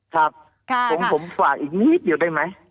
ครับผมฝากอีกนิดเดียวได้ไหม